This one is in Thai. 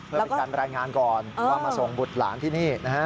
เพื่อเป็นการรายงานก่อนว่ามาส่งบุตรหลานที่นี่นะฮะ